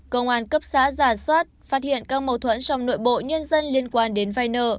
công an cấp xã giả soát phát hiện các mâu thuẫn trong nội bộ nhân dân liên quan đến vai nợ